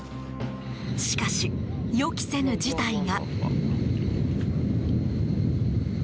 しかし、予期せぬ事態が。